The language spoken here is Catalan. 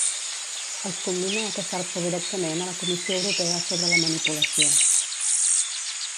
Els commina a queixar-se directament a la Comissió Europea sobre la manipulació.